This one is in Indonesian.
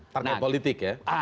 tarka politik ya